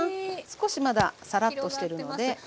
少しまださらっとしてるので。